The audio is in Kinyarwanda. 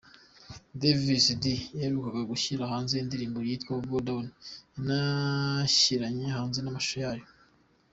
Davis D yaherukaga gushyira hanze indirimbo yitwa ‘Go Down’ yanashyiranye hanze n’amashusho yayo.